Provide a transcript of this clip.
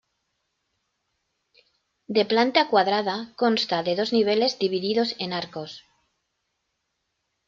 De planta cuadrada consta de dos niveles divididos en arcos.